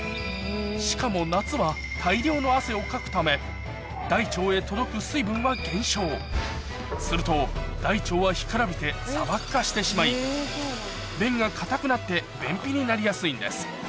しかも夏は大量の汗をかくため大腸へ届く水分は減少すると大腸は干からびて砂漠化してしまいになりやすいんです